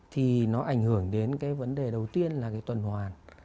thì nó ảnh hưởng đến cái vấn đề đầu tiên là cái tuần hoàn